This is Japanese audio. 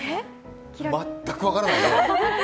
全く分からないね。